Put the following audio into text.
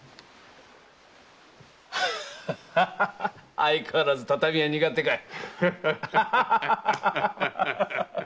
相変わらず畳は苦手かい？